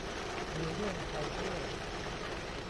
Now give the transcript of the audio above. มีเรื่องไทยด้วย